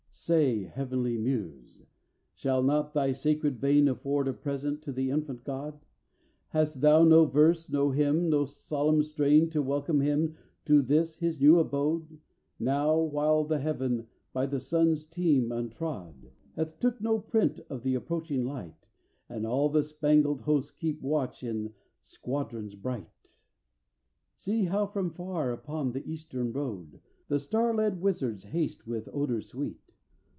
in Say, Heavenly Muse, shall not thy sacred vein Afford a present to the Infant God? Hast thou no verse, no hymn, or solemn strain, To welcome him to this his new abode. Now while the heaven, by the Sun's team untrod, S8S PALESTINE Hath took no print of the approaching light, And all the spangled host keep watch in squadrons bright? IV See how from far upon the Eastern road The star led Wisards haste with odours sweet!